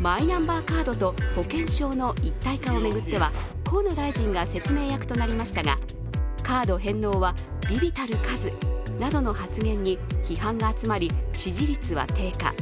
マイナンバーカードと保険証の一体化を巡っては河野大臣が説明役となりましたがカード返納は微々たる数などの発言に批判が集まり、支持率は低下。